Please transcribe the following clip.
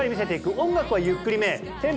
音楽はゆっくりめ。